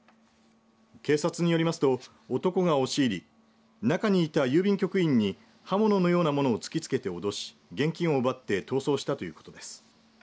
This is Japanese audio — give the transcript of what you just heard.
警察によりますと、男が押し入り中にいた郵便局員に刃物のようなものを突きつけておどし現金を奪って逃走したということです。